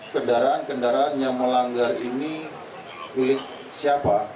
kendaraan kendaraan yang melanggar ini milik siapa